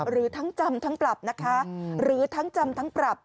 หรือทั้งจำทั้งปรับนะคะหรือทั้งจำทั้งปรับ